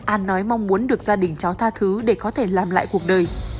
an nói mong muốn được gia đình cháu tha thứ để có thể làm lại cuộc đời